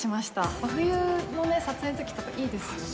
真冬の撮影のときとか、いいですよね。